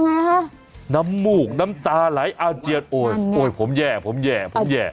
น้ำมูกน้ำตาไหลอาเจียนเฮ่ยผมแย่